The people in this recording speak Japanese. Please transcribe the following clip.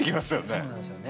そうなんですよね。